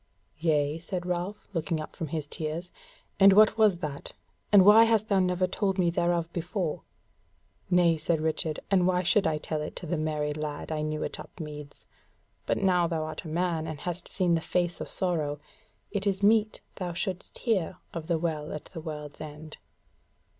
"Yea," said Ralph, looking up from his tears, "and what was that? and why hast thou never told me thereof before?" "Nay," said Richard, "and why should I tell it to the merry lad I knew in Upmeads? but now thou art a man, and hast seen the face of sorrow, it is meet that thou shouldest hear of THE WELL AT THE WORLD'S END."